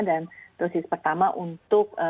dan dosis pertama untuk